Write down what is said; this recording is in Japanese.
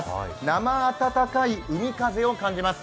生暖かい海風を感じます。